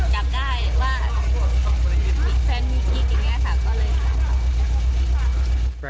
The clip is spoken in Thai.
กลับได้ว่าแฟนมีคิดอย่างเนี้ยค่ะก็เลยกลับไป